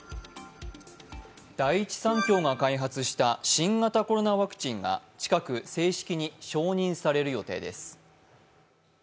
第一三共が開発した新型コロナワクチンが近く、正式に承認される予定です。